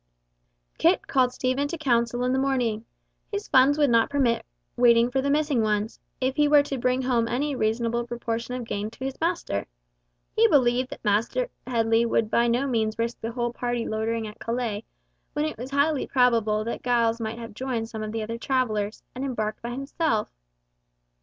Kit called Stephen to council in the morning. His funds would not permit waiting for the missing ones, if he were to bring home any reasonable proportion of gain to his master. He believed that Master Headley would by no means risk the whole party loitering at Calais, when it was highly probable that Giles might have joined some of the other travellers, and embarked by himself.